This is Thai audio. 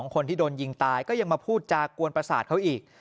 คนที่โดนยิงตายก็ยังมาพูดจากวนประสาทเขาอีก